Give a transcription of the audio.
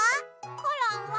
コロンは。